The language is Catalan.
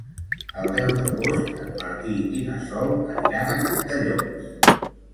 El deu d'agost en Martí i na Sol aniran a Cantallops.